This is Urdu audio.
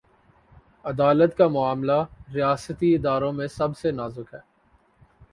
عدالت کامعاملہ، ریاستی اداروں میں سب سے نازک ہے۔